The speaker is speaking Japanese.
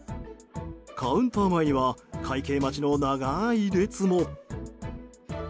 カウンター前には会計待ちの長い列も。